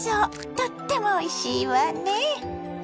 とってもおいしいわね。